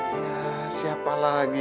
ya siapa lagi